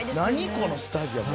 このスタジアム。